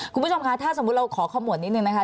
คุณผู้ชมคะถ้าสมมุติเราขอขมวดนิดนึงนะคะ